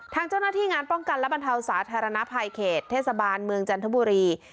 ทางเจ้าหน้าที่งานป้องกันและบรรเทาสาธารณภัยเขตเทศบาลเมืองจันทบุรี